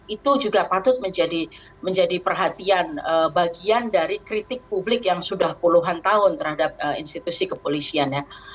itu juga patut menjadi perhatian bagian dari kritik publik yang sudah puluhan tahun terhadap institusi kepolisian ya